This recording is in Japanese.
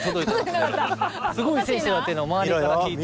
すごい選手だっていうのを周りから聞いて。